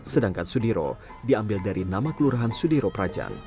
sedangkan sudiro diambil dari nama kelurahan sudiro prajan